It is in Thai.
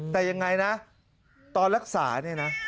แต่ยังไงนะตอนรักษาเนี่ยนะ